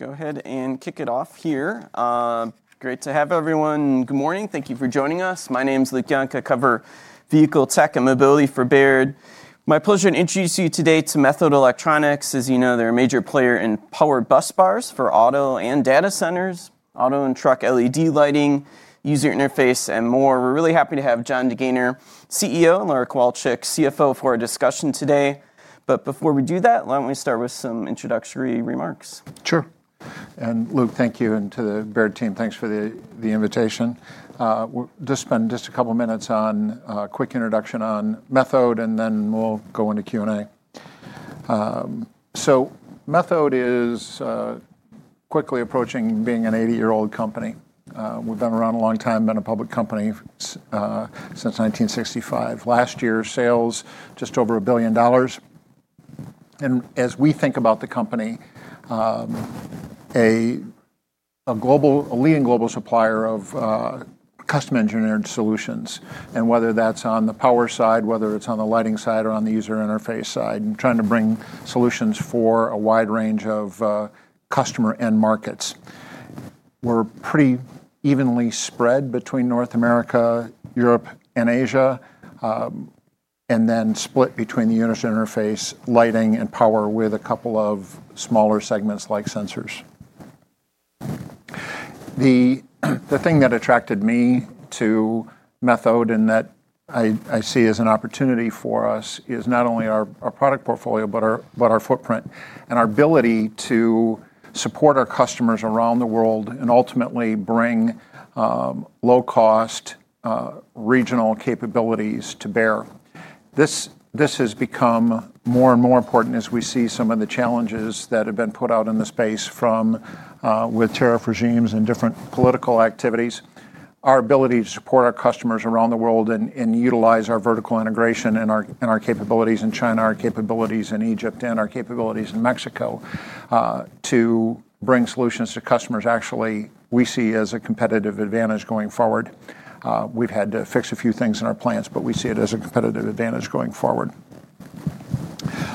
Let's go ahead and kick it off here. Great to have everyone. Good morning. Thank you for joining us. My name's Luke Junk. I cover vehicle tech and mobility for Baird. My pleasure to introduce you today to Methode Electronics. As you know, they're a major player in power bus bars for auto and data centers, auto and truck LED lighting, user interface, and more. We're really happy to have Jon DeGaynor, CEO, and Laura Kowalchik, CFO, for our discussion today. Before we do that, why don't we start with some introductory remarks? Sure. Luke, thank you. To the Baird team, thanks for the invitation. We'll just spend just a couple of minutes on a quick introduction on Methode, and then we'll go into Q&A. Methode is quickly approaching being an 80-year-old company. We've been around a long time, been a public company since 1965. Last year, sales just over $1 billion. As we think about the company, a leading global supplier of custom-engineered solutions, and whether that's on the power side, whether it's on the lighting side, or on the user interface side, and trying to bring solutions for a wide range of customer end markets. We're pretty evenly spread between North America, Europe, and Asia, and then split between the user interface, lighting, and power with a couple of smaller segments like sensors. The thing that attracted me to Methode and that I see as an opportunity for us is not only our product portfolio, but our footprint and our ability to support our customers around the world and ultimately bring low-cost regional capabilities to bear. This has become more and more important as we see some of the challenges that have been put out in the space from tariff regimes and different political activities. Our ability to support our customers around the world and utilize our vertical integration and our capabilities in China, our capabilities in Egypt, and our capabilities in Mexico to bring solutions to customers actually we see as a competitive advantage going forward. We've had to fix a few things in our plants, but we see it as a competitive advantage going forward.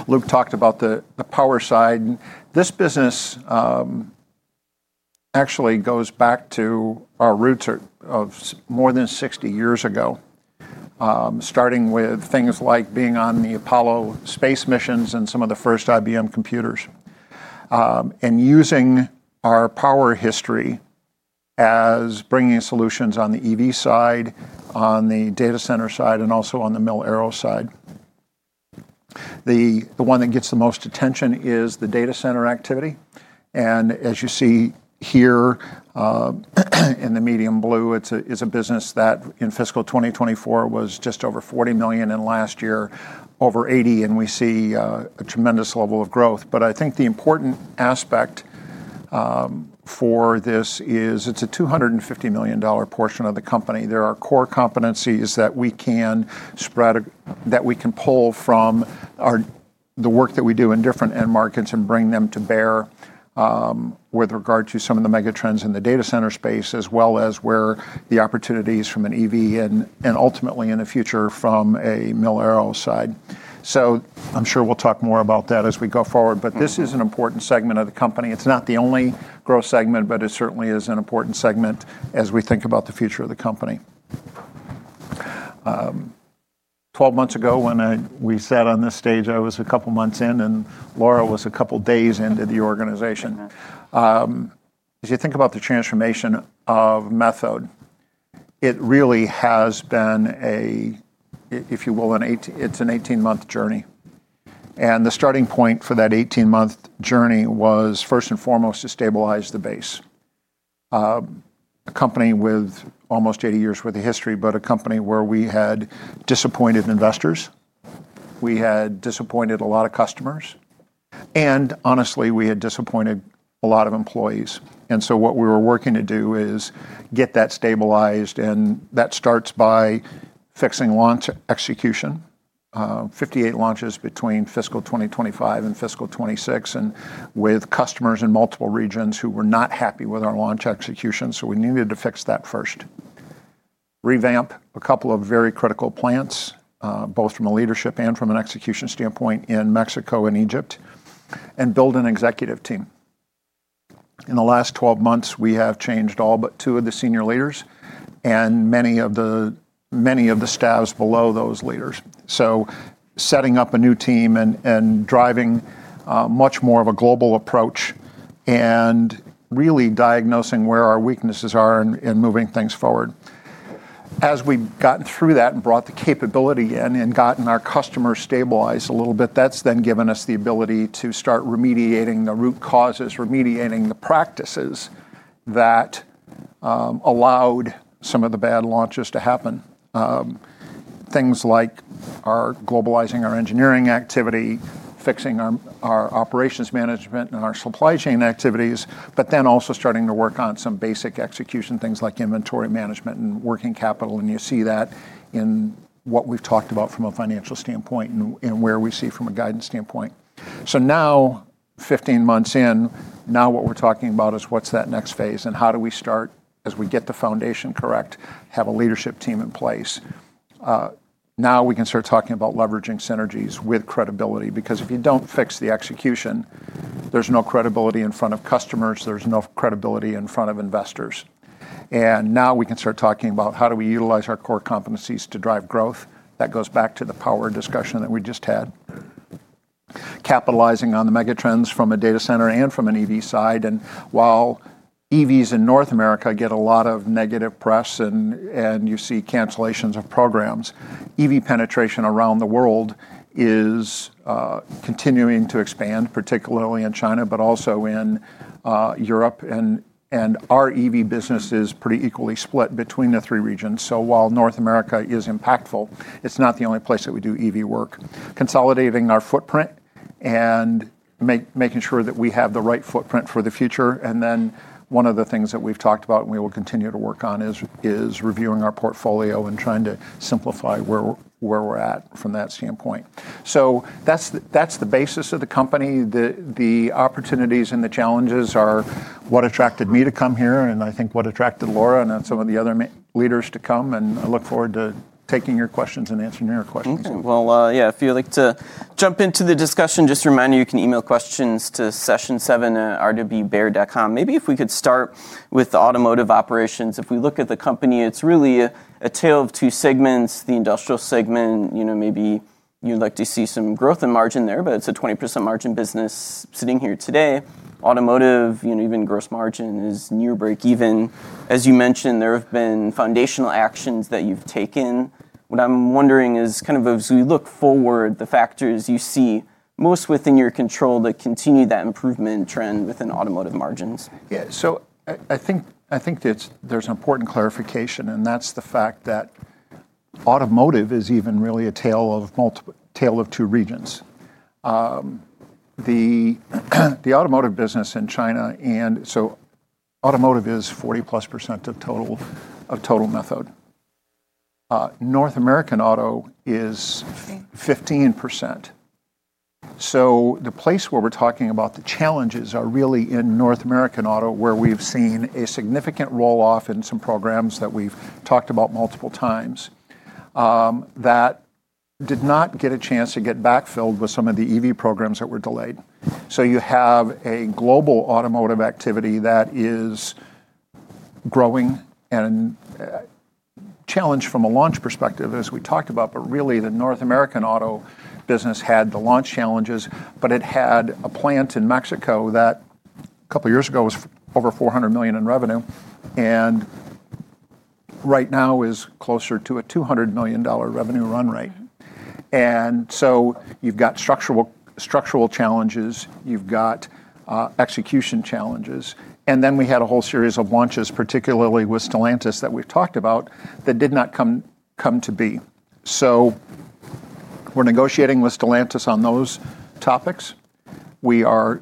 Luke talked about the power side. This business actually goes back to our roots of more than 60 years ago, starting with things like being on the Apollo space missions and some of the first IBM computers, and using our power history as bringing solutions on the EV side, on the data center side, and also on the Mil-Aero side. The one that gets the most attention is the data center activity. As you see here in the medium blue, it's a business that in fiscal 2024 was just over $40 million and last year over $80 million, and we see a tremendous level of growth. I think the important aspect for this is it's a $250 million portion of the company. There are core competencies that we can pull from the work that we do in different end markets and bring them to bear with regard to some of the mega trends in the data center space, as well as where the opportunities from an EV and ultimately in the future from a Mil-Aero side. I am sure we will talk more about that as we go forward, but this is an important segment of the company. It is not the only growth segment, but it certainly is an important segment as we think about the future of the company. Twelve months ago when we sat on this stage, I was a couple of months in, and Laura was a couple of days into the organization. As you think about the transformation of Methode, it really has been a, if you will, an 18-month journey. The starting point for that 18-month journey was first and foremost to stabilize the base. A company with almost 80 years' worth of history, but a company where we had disappointed investors. We had disappointed a lot of customers. Honestly, we had disappointed a lot of employees. What we were working to do is get that stabilized, and that starts by fixing launch execution, 58 launches between fiscal 2025 and fiscal 2026, and with customers in multiple regions who were not happy with our launch execution. We needed to fix that first, revamp a couple of very critical plants, both from a leadership and from an execution standpoint in Mexico and Egypt, and build an executive team. In the last 12 months, we have changed all but two of the senior leaders and many of the staffs below those leaders. Setting up a new team and driving much more of a global approach and really diagnosing where our weaknesses are and moving things forward. As we've gotten through that and brought the capability in and gotten our customers stabilized a little bit, that's then given us the ability to start remediating the root causes, remediating the practices that allowed some of the bad launches to happen. Things like globalizing our engineering activity, fixing our operations management and our supply chain activities, but then also starting to work on some basic execution things like inventory management and working capital. You see that in what we've talked about from a financial standpoint and where we see from a guidance standpoint. Now, 15 months in, now what we're talking about is what's that next phase and how do we start as we get the foundation correct, have a leadership team in place. Now we can start talking about leveraging synergies with credibility because if you don't fix the execution, there's no credibility in front of customers. There's no credibility in front of investors. Now we can start talking about how do we utilize our core competencies to drive growth. That goes back to the power discussion that we just had, capitalizing on the mega trends from a data center and from an EV side. While EVs in North America get a lot of negative press and you see cancellations of programs, EV penetration around the world is continuing to expand, particularly in China, but also in Europe. Our EV business is pretty equally split between the three regions. While North America is impactful, it's not the only place that we do EV work, consolidating our footprint and making sure that we have the right footprint for the future. One of the things that we've talked about and we will continue to work on is reviewing our portfolio and trying to simplify where we're at from that standpoint. That's the basis of the company. The opportunities and the challenges are what attracted me to come here, and I think what attracted Laura and some of the other leaders to come. I look forward to taking your questions and answering your questions. Yeah, if you'd like to jump into the discussion, just remind you, you can email questions to session7@rdbbaird.com. Maybe if we could start with automotive operations. If we look at the company, it's really a tale of two segments, the industrial segment. Maybe you'd like to see some growth and margin there, but it's a 20% margin business sitting here today. Automotive, even gross margin is near breakeven. As you mentioned, there have been foundational actions that you've taken. What I'm wondering is kind of as we look forward, the factors you see most within your control that continue that improvement trend within automotive margins. Yeah. I think there's an important clarification, and that's the fact that automotive is even really a tale of two regions. The automotive business in China, and so automotive is 40+% of total Methode. North American auto is 15%. The place where we're talking about the challenges are really in North American auto, where we've seen a significant roll-off in some programs that we've talked about multiple times that did not get a chance to get backfilled with some of the EV programs that were delayed. You have a global automotive activity that is growing and challenged from a launch perspective, as we talked about, but really the North American auto business had the launch challenges, but it had a plant in Mexico that a couple of years ago was over $400 million in revenue and right now is closer to a $200 million revenue run rate. You have structural challenges. You have execution challenges. We had a whole series of launches, particularly with Stellantis that we have talked about, that did not come to be. We are negotiating with Stellantis on those topics. We are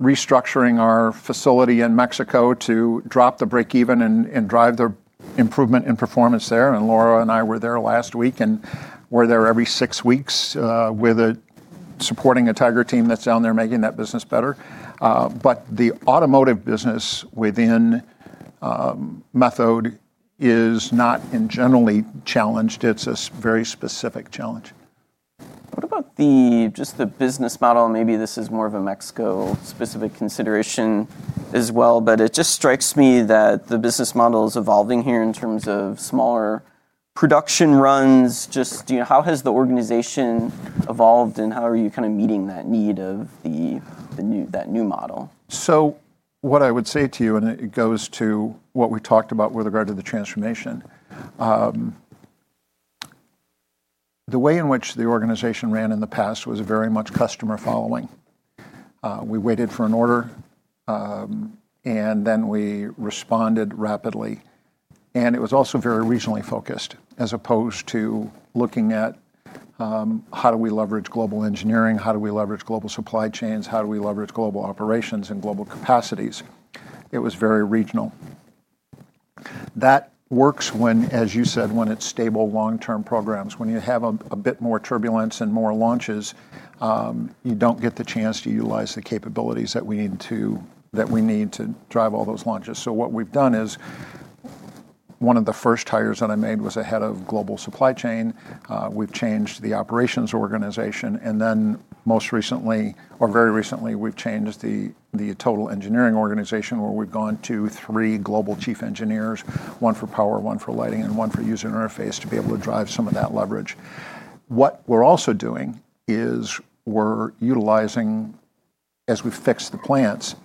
restructuring our facility in Mexico to drop the breakeven and drive the improvement in performance there. Laura and I were there last week and we are there every six weeks supporting a Tiger team that is down there making that business better. The automotive business within Methode is not in generally challenged. It's a very specific challenge. What about just the business model? Maybe this is more of a Mexico-specific consideration as well, but it just strikes me that the business model is evolving here in terms of smaller production runs. Just how has the organization evolved and how are you kind of meeting that need of that new model? What I would say to you, and it goes to what we talked about with regard to the transformation, the way in which the organization ran in the past was very much customer following. We waited for an order, and then we responded rapidly. It was also very regionally focused as opposed to looking at how do we leverage global engineering, how do we leverage global supply chains, how do we leverage global operations and global capacities. It was very regional. That works, as you said, when it's stable long-term programs. When you have a bit more turbulence and more launches, you don't get the chance to utilize the capabilities that we need to drive all those launches. What we've done is one of the first hires that I made was a head of global supply chain. We've changed the operations organization. Most recently, or very recently, we've changed the total engineering organization where we've gone to three global chief engineers, one for power, one for lighting, and one for user interface to be able to drive some of that leverage. What we're also doing is we're utilizing, as we fix the plants,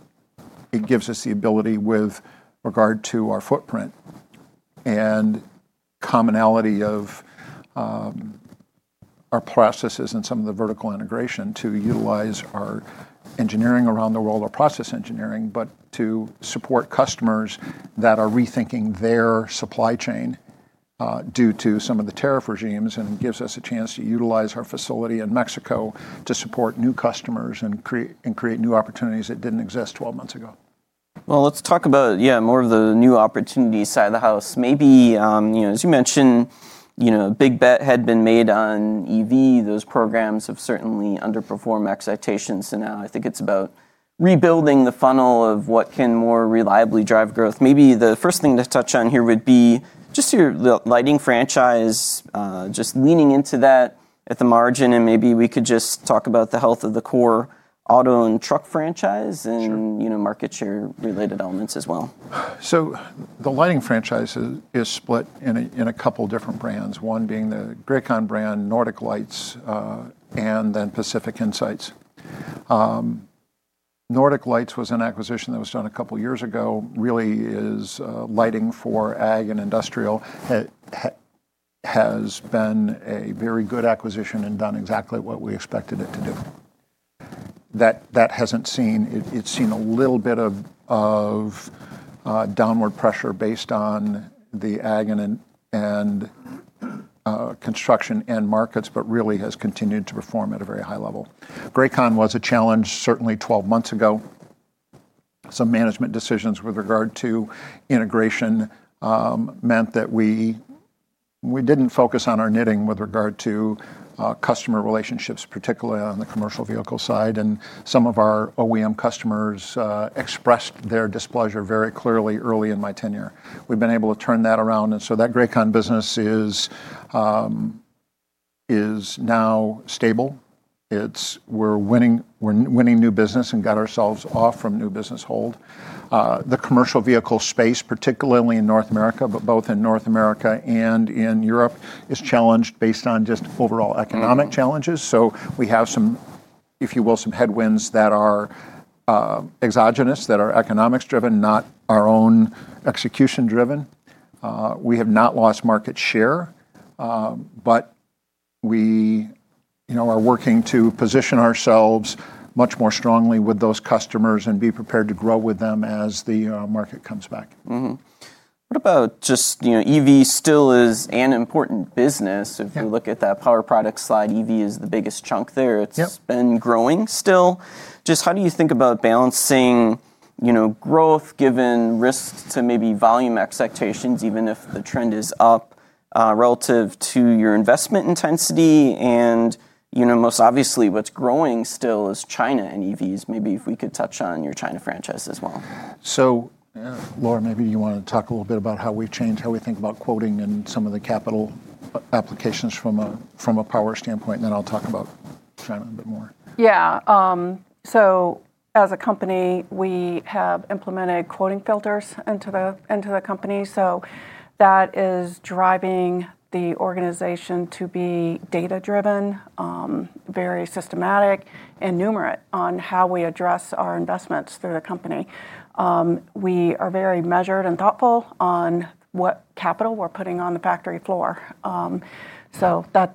it gives us the ability with regard to our footprint and commonality of our processes and some of the vertical integration to utilize our engineering around the world, our process engineering, but to support customers that are rethinking their supply chain due to some of the tariff regimes and gives us a chance to utilize our facility in Mexico to support new customers and create new opportunities that did not exist 12 months ago. Let's talk about, yeah, more of the new opportunity side of the house. Maybe, as you mentioned, a big bet had been made on EV. Those programs have certainly underperformed expectations. Now I think it's about rebuilding the funnel of what can more reliably drive growth. Maybe the first thing to touch on here would be just your lighting franchise, just leaning into that at the margin. Maybe we could just talk about the health of the core auto and truck franchise and market share related elements as well. The lighting franchise is split in a couple of different brands, one being the Grakon brand, Nordic Lights, and then Pacific Insight. Nordic Lights was an acquisition that was done a couple of years ago, really is lighting for ag and industrial, has been a very good acquisition and done exactly what we expected it to do. That has seen, it has seen a little bit of downward pressure based on the ag and construction and markets, but really has continued to perform at a very high level. Grakon was a challenge certainly 12 months ago. Some management decisions with regard to integration meant that we did not focus on our knitting with regard to customer relationships, particularly on the commercial vehicle side. Some of our OEM customers expressed their displeasure very clearly early in my tenure. We have been able to turn that around. That Grakon business is now stable. We're winning new business and got ourselves off from new business hold. The commercial vehicle space, particularly in North America, but both in North America and in Europe, is challenged based on just overall economic challenges. We have some, if you will, some headwinds that are exogenous, that are economics driven, not our own execution driven. We have not lost market share, but we are working to position ourselves much more strongly with those customers and be prepared to grow with them as the market comes back. What about just EV still is an important business. If you look at that power product slide, EV is the biggest chunk there. It's been growing still. Just how do you think about balancing growth given risk to maybe volume expectations, even if the trend is up relative to your investment intensity? Most obviously, what's growing still is China and EVs. Maybe if we could touch on your China franchise as well. Laura, maybe you want to talk a little bit about how we've changed, how we think about quoting and some of the capital applications from a power standpoint. Then I'll talk about China a bit more. Yeah. As a company, we have implemented quoting filters into the company. That is driving the organization to be data-driven, very systematic, and numerate on how we address our investments through the company. We are very measured and thoughtful on what capital we are putting on the factory floor. That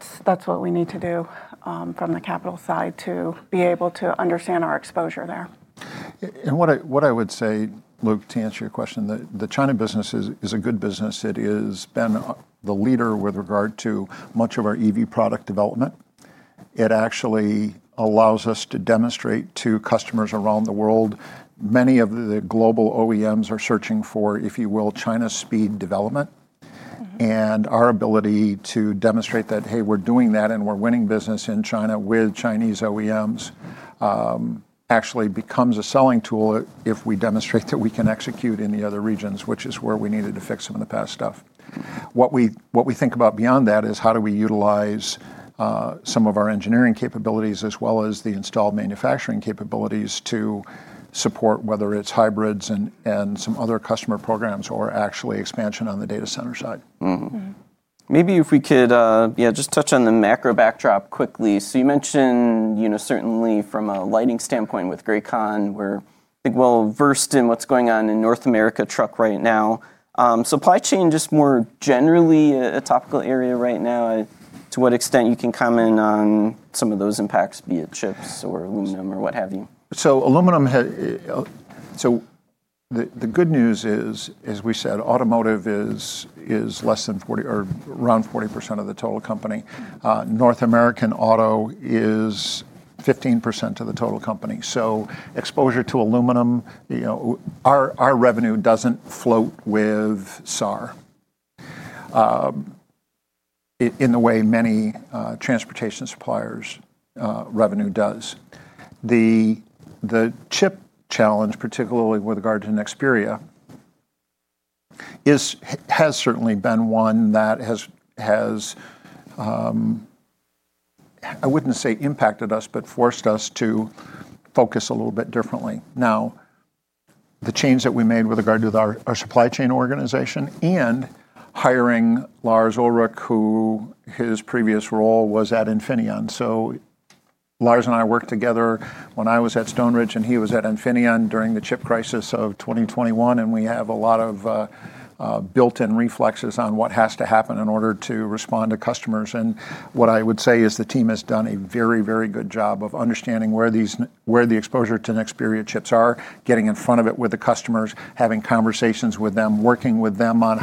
is what we need to do from the capital side to be able to understand our exposure there. What I would say, Luke, to answer your question, the China business is a good business. It has been the leader with regard to much of our EV product development. It actually allows us to demonstrate to customers around the world. Many of the global OEMs are searching for, if you will, China speed development. Our ability to demonstrate that, hey, we're doing that and we're winning business in China with Chinese OEMs actually becomes a selling tool if we demonstrate that we can execute in the other regions, which is where we needed to fix some of the past stuff. What we think about beyond that is how do we utilize some of our engineering capabilities as well as the installed manufacturing capabilities to support whether it's hybrids and some other customer programs or actually expansion on the data center side. Maybe if we could just touch on the macro backdrop quickly. You mentioned certainly from a lighting standpoint with Grakon. We're well versed in what's going on in North America truck right now. Supply chain just more generally a topical area right now. To what extent you can comment on some of those impacts, be it chips or aluminum or what have you. The good news is, as we said, automotive is less than 40% or around 40% of the total company. North American auto is 15% of the total company. Exposure to aluminum, our revenue does not float with SAR in the way many transportation suppliers' revenue does. The chip challenge, particularly with regard to Nexperia, has certainly been one that has, I would not say impacted us, but forced us to focus a little bit differently. Now, the change that we made with regard to our supply chain organization and hiring Lars Ullrich, who, his previous role was at Infineon. Lars and I worked together when I was at Stone Ridge and he was at Infineon during the chip crisis of 2021. We have a lot of built-in reflexes on what has to happen in order to respond to customers. What I would say is the team has done a very, very good job of understanding where the exposure to Nexperia chips are, getting in front of it with the customers, having conversations with them, working with them on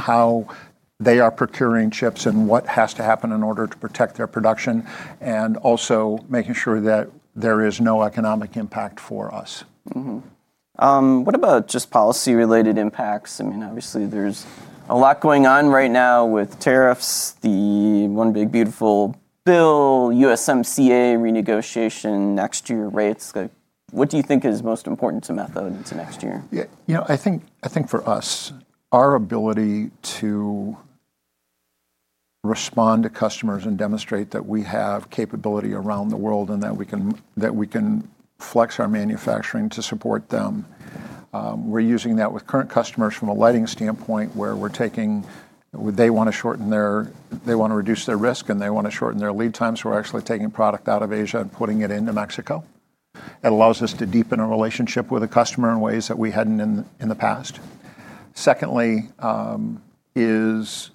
how they are procuring chips and what has to happen in order to protect their production, and also making sure that there is no economic impact for us. What about just policy-related impacts? I mean, obviously there's a lot going on right now with tariffs, the one big beautiful bill, USMCA renegotiation, next year rates. What do you think is most important to Methode into next year? Yeah. I think for us, our ability to respond to customers and demonstrate that we have capability around the world and that we can flex our manufacturing to support them. We're using that with current customers from a lighting standpoint where we're taking, they want to shorten their, they want to reduce their risk and they want to shorten their lead time. We're actually taking product out of Asia and putting it into Mexico. It allows us to deepen our relationship with a customer in ways that we hadn't in the past. Secondly, is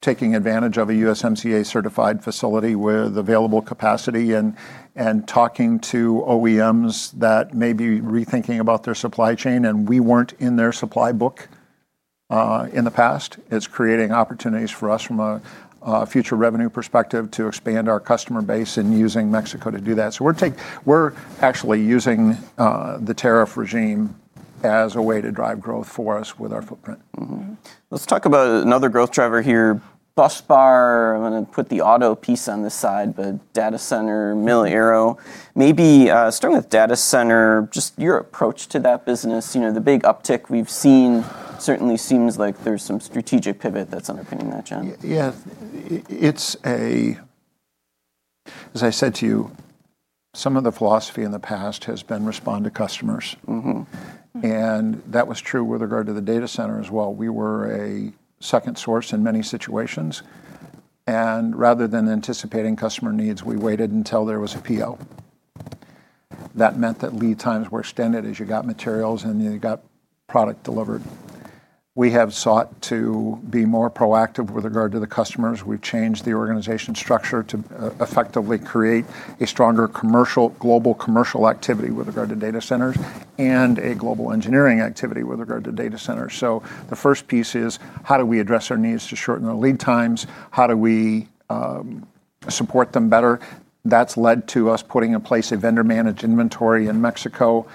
taking advantage of a USMCA certified facility with available capacity and talking to OEMs that may be rethinking about their supply chain and we weren't in their supply book in the past. It's creating opportunities for us from a future revenue perspective to expand our customer base and using Mexico to do that. We're actually using the tariff regime as a way to drive growth for us with our footprint. Let's talk about another growth driver here, bus bars. I'm going to put the auto piece on this side, but data center, Mil-Aero. Maybe starting with data center, just your approach to that business. The big uptick we've seen certainly seems like there's some strategic pivot that's underpinning that, Jon. Yeah. As I said to you, some of the philosophy in the past has been respond to customers. That was true with regard to the data center as well. We were a second source in many situations. Rather than anticipating customer needs, we waited until there was a PO. That meant that lead times were extended as you got materials and you got product delivered. We have sought to be more proactive with regard to the customers. We have changed the organization structure to effectively create a stronger global commercial activity with regard to data centers and a global engineering activity with regard to data centers. The first piece is how do we address our needs to shorten our lead times? How do we support them better? That's led to us putting in place a vendor-managed inventory in Mexico,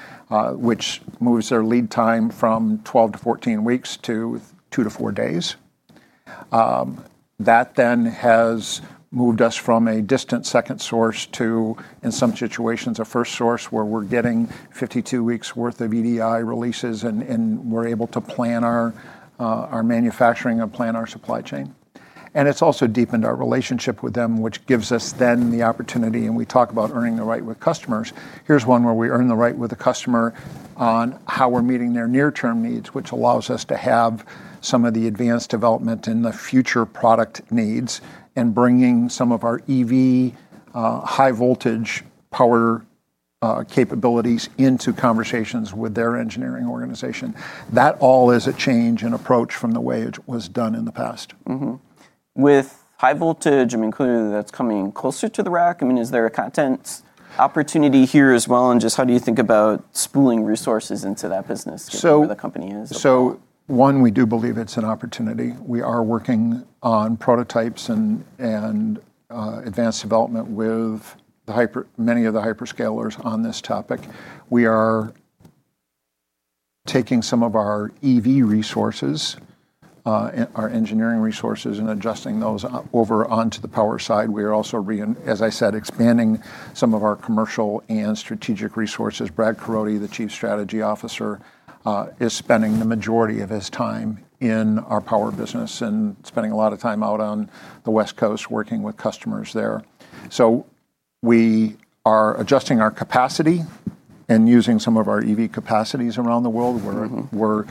which moves their lead time from 12-14 weeks to two-four days. That then has moved us from a distant second source to, in some situations, a first source where we're getting 52 weeks' worth of EDI releases and we're able to plan our manufacturing and plan our supply chain. It's also deepened our relationship with them, which gives us then the opportunity, and we talk about earning the right with customers. Here's one where we earn the right with a customer on how we're meeting their near-term needs, which allows us to have some of the advanced development in the future product needs and bringing some of our EV high-voltage power capabilities into conversations with their engineering organization. That all is a change in approach from the way it was done in the past. With high voltage, I mean, clearly that's coming closer to the rack. I mean, is there a content opportunity here as well? Just how do you think about spooling resources into that business? We do believe it's an opportunity. We are working on prototypes and advanced development with many of the hyperscalers on this topic. We are taking some of our EV resources, our engineering resources, and adjusting those over onto the power side. We are also, as I said, expanding some of our commercial and strategic resources. Brad Corrodi, the Chief Strategy Officer, is spending the majority of his time in our power business and spending a lot of time out on the West Coast working with customers there. We are adjusting our capacity and using some of our EV capacities around the world. We're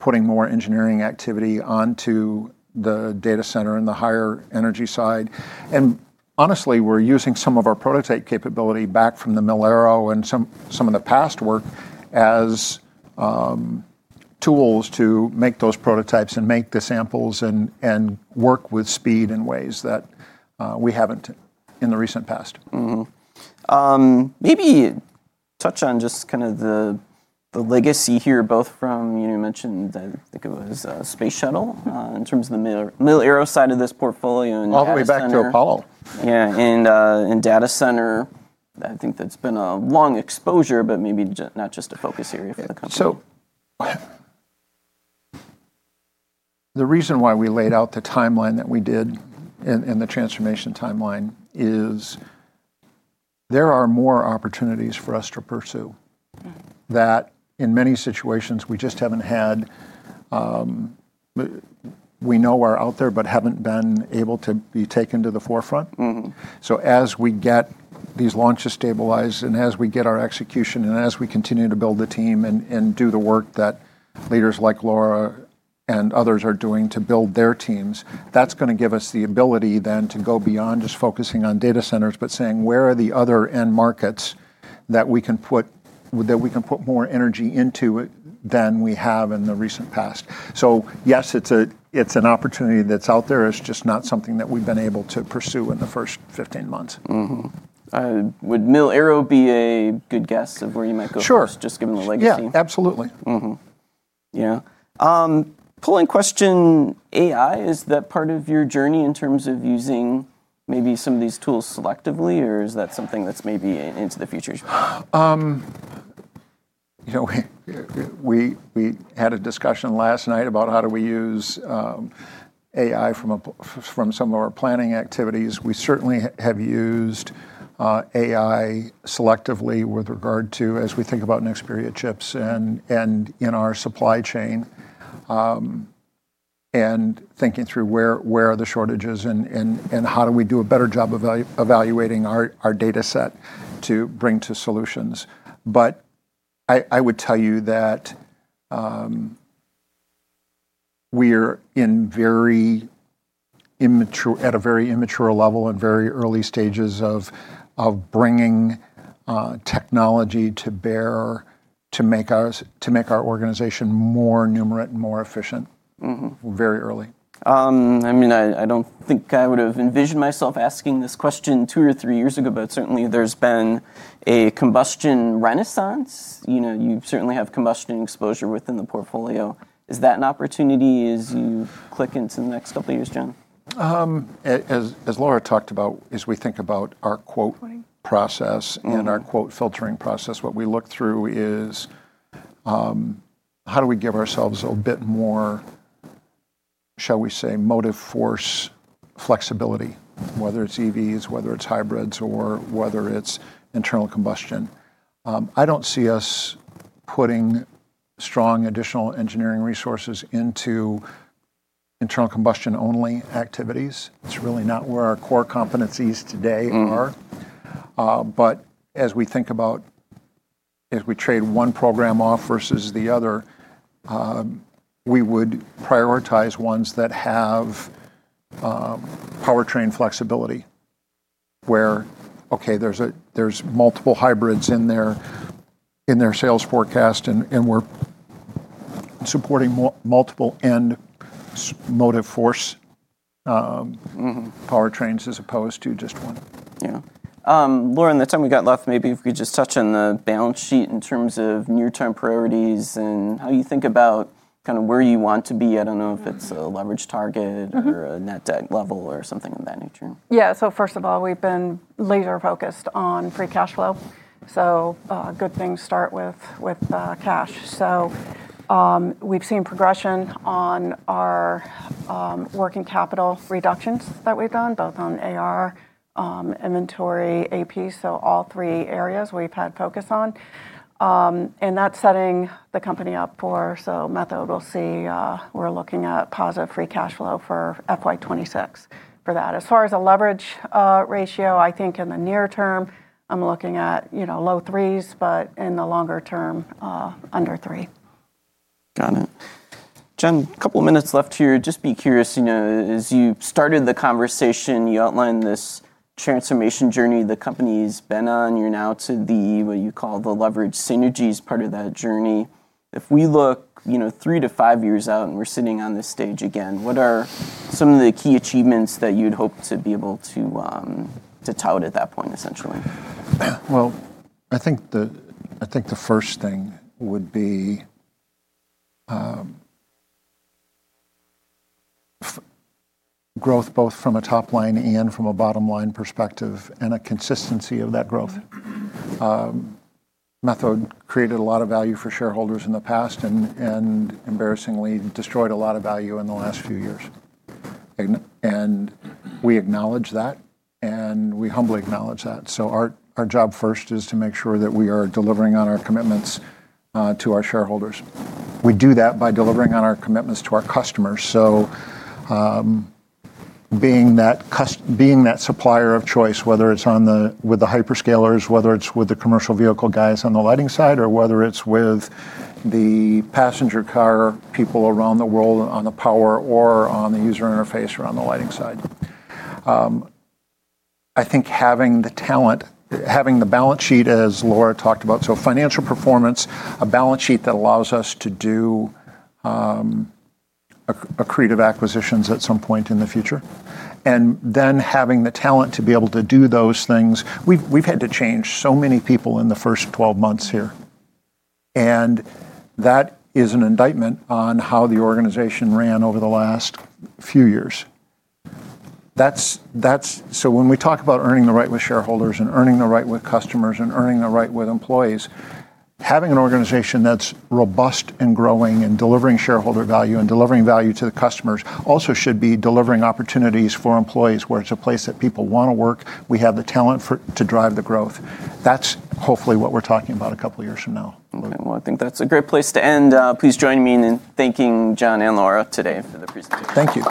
putting more engineering activity onto the data center and the higher energy side. Honestly, we're using some of our prototype capability back from the Mil-Aero and some of the past work as tools to make those prototypes and make the samples and work with speed in ways that we haven't in the recent past. Maybe touch on just kind of the legacy here, both from, you mentioned that I think it was Space Shuttle in terms of the Mil-Aero side of this portfolio. All the way back to Apollo. Yeah. Data center, I think that's been a long exposure, but maybe not just a focus area for the company. The reason why we laid out the timeline that we did and the transformation timeline is there are more opportunities for us to pursue that in many situations we just have not had. We know are out there, but have not been able to be taken to the forefront. As we get these launches stabilized and as we get our execution and as we continue to build the team and do the work that leaders like Laura and others are doing to build their teams, that is going to give us the ability then to go beyond just focusing on data centers, but saying where are the other end markets that we can put more energy into than we have in the recent past. Yes, it is an opportunity that is out there. It is just not something that we have been able to pursue in the first 15 months. Would Mil-Aero be a good guess of where you might go first, just given the legacy? Yeah, absolutely. Yeah. Pulling question, AI, is that part of your journey in terms of using maybe some of these tools selectively, or is that something that's maybe into the future? We had a discussion last night about how do we use AI from some of our planning activities. We certainly have used AI selectively with regard to, as we think about Nexperia chips and in our supply chain and thinking through where are the shortages and how do we do a better job of evaluating our data set to bring to solutions. I would tell you that we are at a very immature level and very early stages of bringing technology to bear to make our organization more numerate and more efficient very early. I mean, I don't think I would have envisioned myself asking this question two or three years ago, but certainly there's been a combustion renaissance. You certainly have combustion exposure within the portfolio. Is that an opportunity as you click into the next couple of years, Jon? As Laura talked about, as we think about our quote process and our quote filtering process, what we look through is how do we give ourselves a bit more, shall we say, motive force flexibility, whether it's EVs, whether it's hybrids, or whether it's internal combustion. I don't see us putting strong additional engineering resources into internal combustion only activities. It's really not where our core competencies today are. As we think about, as we trade one program off versus the other, we would prioritize ones that have powertrain flexibility where, okay, there's multiple hybrids in their sales forecast and we're supporting multiple end motive force powertrains as opposed to just one. Yeah. Laura, the time we got left, maybe if we could just touch on the balance sheet in terms of near-term priorities and how you think about kind of where you want to be. I do not know if it is a leverage target or a net debt level or something in that nature. Yeah. First of all, we've been laser-focused on free cash flow. Good things start with cash. We've seen progression on our working capital reductions that we've done, both on AR, inventory, AP. All three areas we've had focus on. That's setting the company up for, so Methode will see we're looking at positive free cash flow for FY 2026 for that. As far as a leverage ratio, I think in the near term, I'm looking at low threes, but in the longer term, under three. Got it. John, a couple of minutes left here. Just be curious, as you started the conversation, you outlined this transformation journey the company's been on. You're now to the, what you call the leverage synergies part of that journey. If we look three to five years out and we're sitting on this stage again, what are some of the key achievements that you'd hope to be able to tout at that point, essentially? I think the first thing would be growth both from a top line and from a bottom line perspective and a consistency of that growth. Methode created a lot of value for shareholders in the past and embarrassingly destroyed a lot of value in the last few years. We acknowledge that and we humbly acknowledge that. Our job first is to make sure that we are delivering on our commitments to our shareholders. We do that by delivering on our commitments to our customers. Being that supplier of choice, whether it is with the hyperscalers, whether it is with the commercial vehicle guys on the lighting side, or whether it is with the passenger car people around the world on the power or on the user interface around the lighting side. I think having the talent, having the balance sheet as Laura talked about, so financial performance, a balance sheet that allows us to do accretive acquisitions at some point in the future. Then having the talent to be able to do those things. We've had to change so many people in the first 12 months here. That is an indictment on how the organization ran over the last few years. When we talk about earning the right with shareholders and earning the right with customers and earning the right with employees, having an organization that's robust and growing and delivering shareholder value and delivering value to the customers also should be delivering opportunities for employees where it's a place that people want to work. We have the talent to drive the growth. That's hopefully what we're talking about a couple of years from now. I think that's a great place to end. Please join me in thanking Jon and Laura today for the presentation. Thank you.